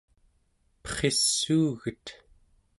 perriss'uuget